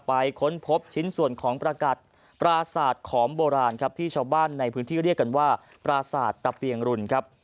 ค้นพบชิ้นส่วนของประกัดปราศาสตร์ขอมโบราณครับที่ชาวบ้านในพื้นที่เรียกกันว่าปราสาทตะเปียงรุนครับ